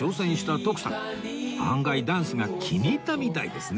案外ダンスが気に入ったみたいですね